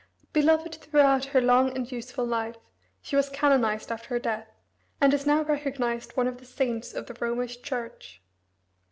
Beloved throughout her long and useful life she was canonized after her death, and is now recognized one of the saints of the Romish church.